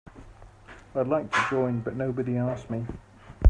I'd like to join but nobody asked me.